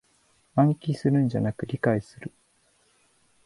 暗記するんじゃなく理解する